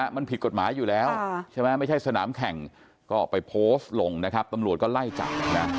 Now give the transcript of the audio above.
มันผิดกฎหมายอยู่แล้วใช่ไม่ใช่สนามแข่งก็ไปโพสต์ลงนะครับ